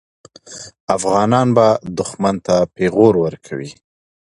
افغانان به دښمن ته پېغور ورکوي.